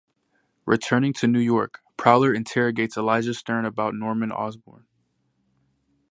Returning to New York, Prowler interrogates Elijah Stern about Norman Osborn.